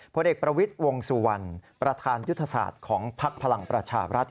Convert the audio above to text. ผลเอกประวิทย์วงสุวรรณประธานยุทธศาสตร์ของภักดิ์พลังประชาบรัฐ